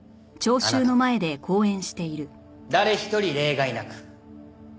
誰一人例外なく。